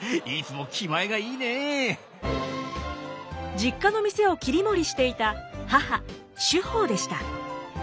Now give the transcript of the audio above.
実家の店を切り盛りしていた母殊法でした。